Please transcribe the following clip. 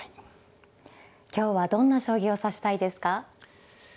今日はどんな将棋を指したいですか。